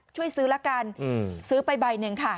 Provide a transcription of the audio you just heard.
ช่วยซื้อละกันซื้อไปใบหนึ่งค่ะ